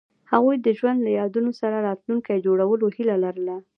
هغوی د ژوند له یادونو سره راتلونکی جوړولو هیله لرله.